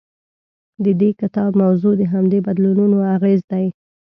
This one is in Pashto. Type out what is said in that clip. د دې کتاب موضوع د همدې بدلونونو اغېز دی.